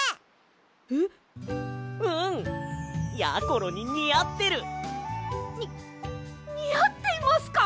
ころににあってる！ににあってますか！？